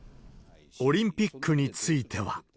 オリンピックについては。